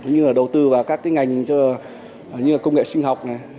cũng như là đầu tư vào các cái ngành như là công nghệ sinh học này